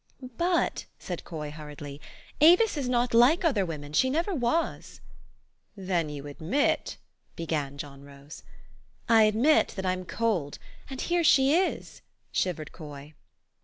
THE STORY OF AVIS. 27 "But," said Coy hurriedly, "Avis is not like other women. She never was." " Then you admit " began John Rose. " I admit that I'm cold, and here she is," shiv ered Coy.